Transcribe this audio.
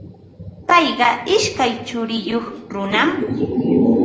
Payqa ishkay churiyuq runam.